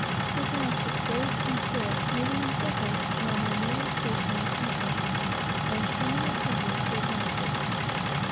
They danced with grace and spirit, moving in circles round their nearly stationary partners, and showing their figures to great advantage.